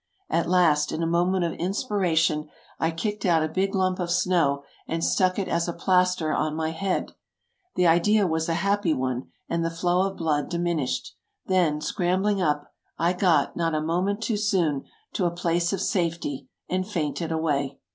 At last, in a moment of inspiration I kicked out a big lump of snow and stuck it as a plaster on my head. The idea was a happy one, and the flow of blood diminished: then, scram bling up, I got, not a moment too soon, to a place of safety, and fainted away.